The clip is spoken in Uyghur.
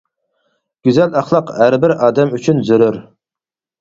گۈزەل ئەخلاق ھەربىر ئادەم ئۈچۈن زۆرۈر.